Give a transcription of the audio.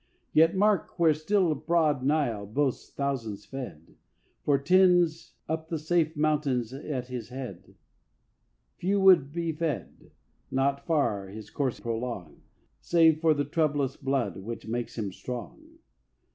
Yet mark where still broad Nile boasts thousands fed, For tens up the safe mountains at his head. Few would be fed, not far his course prolong, Save for the troublous blood which makes him strong.